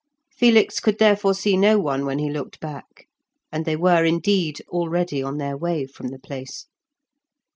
Felix could therefore see no one when he looked back, and they were indeed already on their way from the place.